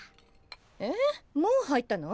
えっもう入ったの？